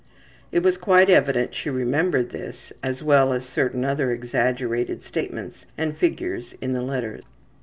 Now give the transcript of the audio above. '' It was quite evident she remembered this, as well as certain other exaggerated statements and figures in the letter.